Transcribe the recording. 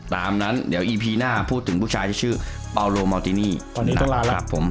ตามนั้นเดี๋ยวอีพีหน้าพูดถึงผู้ชายชื่อปาโลมัลตินี่วันนี้ต้องลาละครับผม